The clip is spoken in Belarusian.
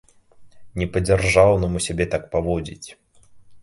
Не па-дзяржаўнаму сябе так паводзіць!